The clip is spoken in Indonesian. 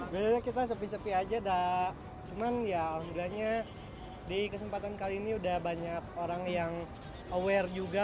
sebenarnya kita sepi sepi aja cuman ya alhamdulillahnya di kesempatan kali ini udah banyak orang yang aware juga